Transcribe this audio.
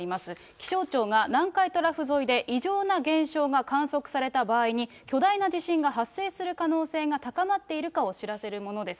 気象庁が南海トラフ沿いで異常な現象が観測された場合に、巨大な地震が発生する可能性が高まっているかを知らせるものです。